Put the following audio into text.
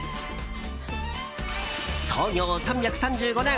創業３３５年！